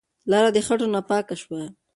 لار د خټو نه پاکه شوه.